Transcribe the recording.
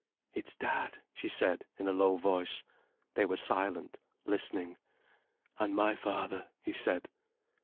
"It's Dad," she said, in a low voice. They were silent, listening. "And my father," he said.